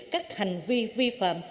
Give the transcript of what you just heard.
các hành vi vi phạm